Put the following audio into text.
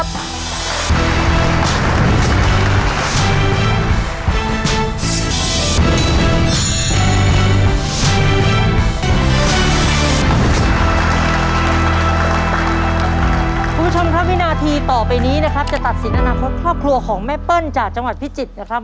คุณผู้ชมครับวินาทีต่อไปนี้นะครับจะตัดสินอนาคตครอบครัวของแม่เปิ้ลจากจังหวัดพิจิตรนะครับ